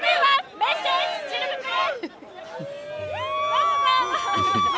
メッセージ、シルブプレ！